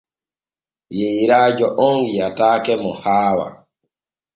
Yeyrajo om wiataake ma haawa.